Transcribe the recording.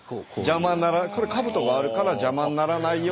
これ兜があるから邪魔にならないように。